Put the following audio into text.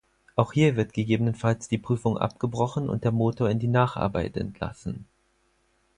Auch hier wird gegebenenfalls die Prüfung abgebrochen und der Motor in die Nacharbeit entlassen.